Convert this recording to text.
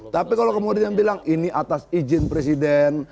tapi kalau kemudian bilang ini atas izin presiden